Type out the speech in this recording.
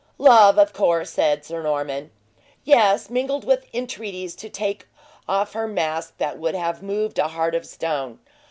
"Love, of course," said Sir Norman. "Yes, mingled with entreaties to take off her mask that would have moved a heart of stone.